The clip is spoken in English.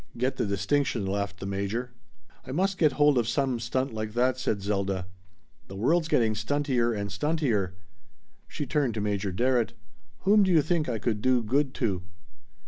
"Get the distinction," laughed the Major. "I must get hold of some stunt like that," said Zelda. "The world's getting stuntier and stuntier." She turned to Major Darrett. "Whom do you think I could do good to?"